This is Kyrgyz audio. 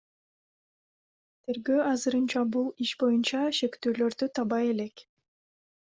Тергөө азырынча бул иш боюнча шектүүлөрдү таба элек.